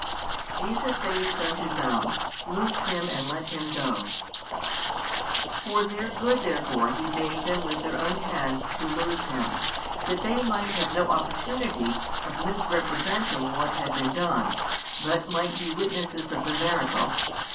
Jesus saith unto them, Loose him and let him go. For their good therefore He bade them with their own hands to loose him, that they might have no opportunity of misrepresenting what had been done, but might be witnesses of the miracle.